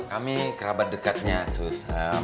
kami kerabat dekatnya sus